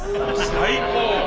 最高！